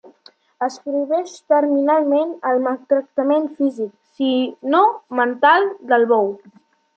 Es prohibeix terminantment el maltractament físic, si no mental, del bou.